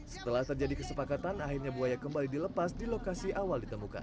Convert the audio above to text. setelah terjadi kesepakatan akhirnya buaya kembali dilepas di lokasi awal ditemukan